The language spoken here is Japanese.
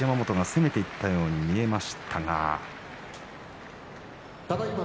攻めていったように見えましたが。